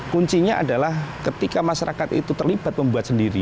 kuncinya adalah ketika masyarakat itu terlibat membuat sendiri